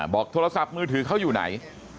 โทรศัพท์มือถือเขาอยู่ไหน